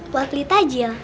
buat beli takjil